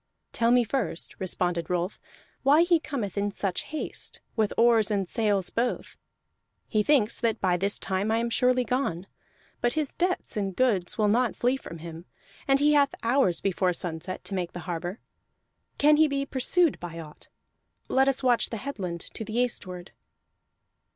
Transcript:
"Tell me first," responded Rolf, "why he cometh in such haste, with oars and sails both. He thinks that by this time I am surely gone; but his debts and goods will not flee from him, and he hath hours before sunset to make the harbor. Can he be pursued by aught? Let us watch the headland to the eastward."